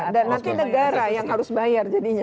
dan nanti negara yang harus bayar jadinya